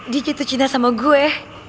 dijitu cinta sama gue